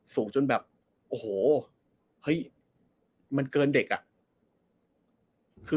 สูงจนแบบโอ้โหมันเกินเด็ก